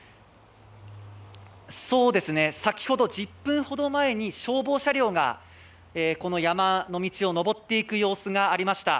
先ほど１０分ほど前に消防車両がこの山の道を上っていく様子がありました。